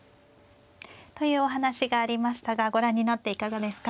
というお話がありましたがご覧になっていかがですか。